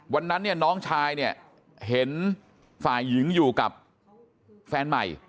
วันนั้นเนี่ยน้องชายเนี่ยเห็นฝ่ายหญิงอยู่กับแฟนใหม่